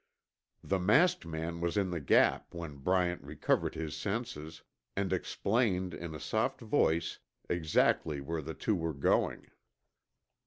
The masked man was in the Gap when Bryant recovered his senses, and explained in a soft voice exactly where the two were going.